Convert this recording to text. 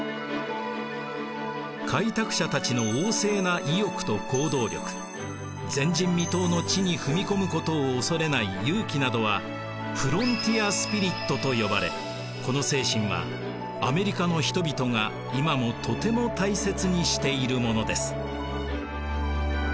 開拓者たちの旺盛な意欲と行動力前人未到の地に踏み込むことを恐れない勇気などはフロンティア・スピリットと呼ばれこの精神はアメリカの人々が今もとても大切にしているものです。